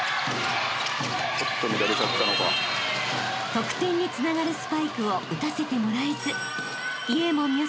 ［得点につながるスパイクを打たせてもらえず］